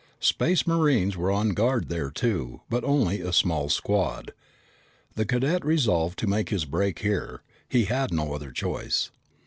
Space Marines were on guard here too, but only a small squad. The cadet resolved to make his break here. He had no other choice.